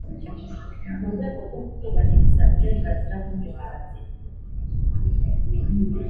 Mu rwego rwo kubahiriza uburenganzira bw'umuhanzi